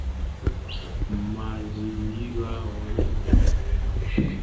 mazingiraHorton walisema ripoti hii imekuja wakati wa hofu wakati